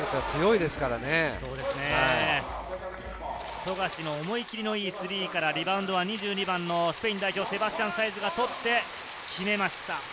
富樫の思い切りのいいスリーから、スペイン代表のセバスチャン・サイズが取って決めました。